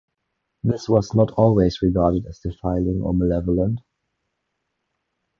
This was not always regarded as defiling or malevolent.